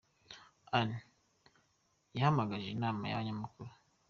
Anne : “Yahamagaje inama n’abanyamakuru ?”